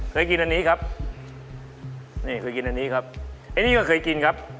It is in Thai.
เคยกินอันนี้ครับนี่เคยกินอันนี้ครับอันนี้ก็เคยกินครับ